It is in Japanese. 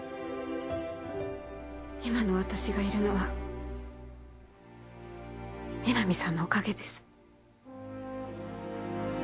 今の私がいるのは皆実さんのおかげです